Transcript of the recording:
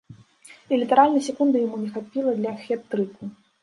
І літаральна секунды яму не хапіла для хет-трыку.